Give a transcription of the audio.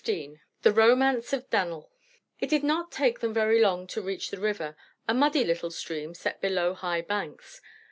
CHAPTER XV THE ROMANCE OF DAN'L It did not take them very long to reach the river, a muddy little stream set below high banks.